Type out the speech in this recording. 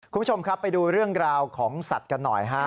คุณผู้ชมครับไปดูเรื่องราวของสัตว์กันหน่อยฮะ